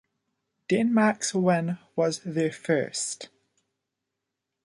Denmark's win was their first.